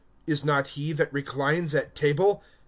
Is not he that reclines at table?